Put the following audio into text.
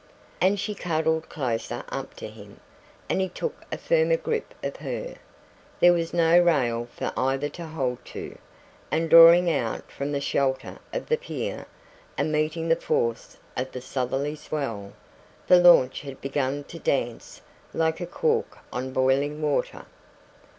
And she cuddled closer up to him, and he took a firmer grip of her. There was no rail for either to hold to, and drawing out from the shelter of the pier, and meeting the force of the southerly swell, the launch had begun to dance like a cork on boiling water.